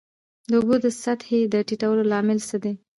د اوبو د سطحې د ټیټیدو لامل څه دی؟